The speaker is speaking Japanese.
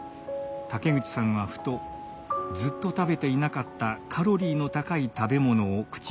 竹口さんはふとずっと食べていなかったカロリーの高い食べ物を口に入れました。